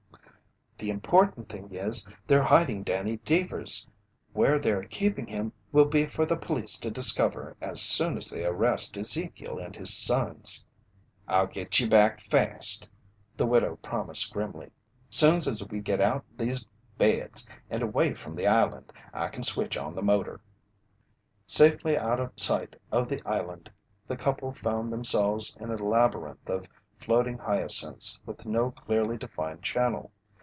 "The important thing is they're hiding Danny Deevers! Where they're keeping him will be for the police to discover as soon as they arrest Ezekiel and his sons." "I'll git ye back fast," the widow promised grimly. "Soon's we git out o' these beds and away from the island, I kin switch on the motor." Safely out of sight of the island, the couple found themselves in a labyrinth of floating hyacinths with no clearly defined channel.